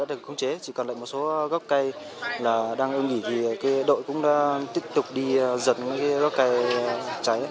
đã được khống chế chỉ còn lại một số gốc cây đang ưu nghỉ thì đội cũng đã tiếp tục đi giật gốc cây cháy